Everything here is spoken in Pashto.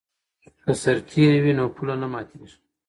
که سرتیری وي نو پوله نه ماتیږي.